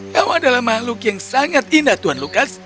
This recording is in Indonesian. kau adalah makhluk yang sangat indah tuan lukas